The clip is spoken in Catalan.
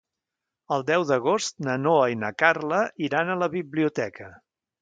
El deu d'agost na Noa i na Carla iran a la biblioteca.